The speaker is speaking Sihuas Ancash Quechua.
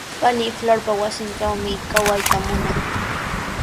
Panii Florpa wasintrawmi kawayta munaa.